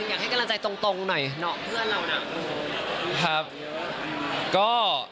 อยากให้กำลังใจตรงหน่อยเนาะเพื่อนเราน่ะครับ